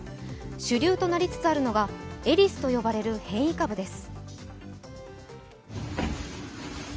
主流となりつつあるのがエリスと呼ばれる変異株です。